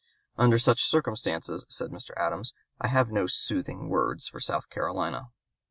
Under such circumstances, said Mr. Adams, I have no "soothing" words for South Carolina.